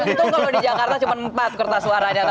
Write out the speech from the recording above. itu kalau di jakarta cuma empat kertas suaranya